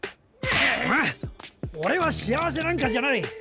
オレは幸せなんかじゃない！